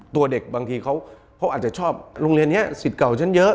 ตัวเด็กบางทีเขาอาจจะชอบโรงเรียนนี้สิทธิ์เก่าฉันเยอะ